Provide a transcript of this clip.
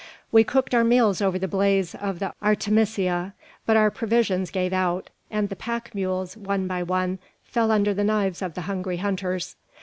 We cooked our meals over the blaze of the artemisia. But our provisions gave out; and the pack mules, one by one, fell under the knives of the hungry hunters.